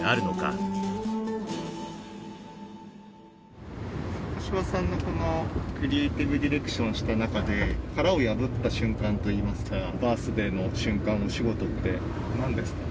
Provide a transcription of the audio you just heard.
可士和さんのこのクリエイティブディレクションした中で殻を破った瞬間といいますかバース・デイの瞬間の仕事って何ですか？